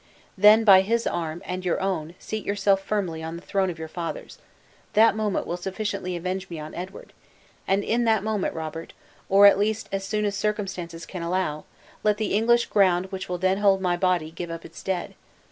Then, by his arm, and your own, seat yourself firmly on the throne of your fathers. That moment will sufficiently avenge me on Edward! and in that moment, Robert! or at least as soon as circumstances can allow, let the English ground which will then hold my body, give up its dead!